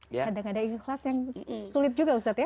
kadang ada ikhlas yang sulit juga ustaz ya